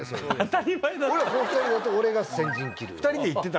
この２人だと俺が先陣切る。